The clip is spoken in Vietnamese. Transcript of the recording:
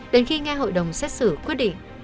đến khi nghe hội đồng xét xử quyết định